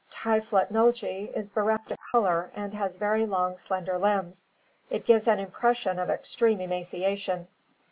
Typhlotnolge is bereft of color and has very long, slender limbs. It gives an impression of extreme emaciation.